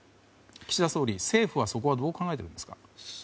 岸田総理や政府はどう考えていますか？